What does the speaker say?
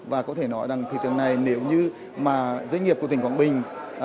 và có thể nói rằng thị trường này nếu như mà doanh nghiệp của tỉnh quảng bình